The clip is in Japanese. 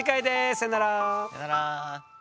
さよなら。